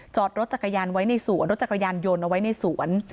จอดรถจักรยานไว้ในสวนรถจักรยานยนต์เอาไว้ในสวน